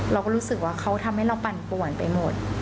เราก็รู้สึกว่าเขาทำให้เราปั่นป่วนไปหมด